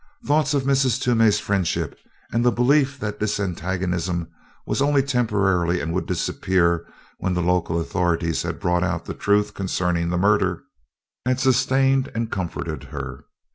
Thoughts of Mrs. Toomey's friendship and the belief that this antagonism was only temporary and would disappear when the local authorities had brought out the truth concerning the murder, had sustained and comforted her.